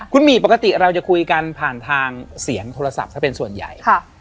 คุณหมี่ปกติเราจะคุยกันผ่านทางเสียงโทรศัพท์ซะเป็นส่วนใหญ่